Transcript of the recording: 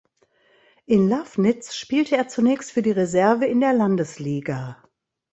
In Lafnitz spielte er zunächst für die Reserve in der Landesliga.